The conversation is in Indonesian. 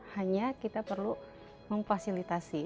hanya kita perlu memfasilitasi